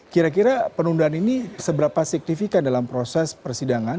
kira kira penundaan ini seberapa signifikan dalam proses persidangan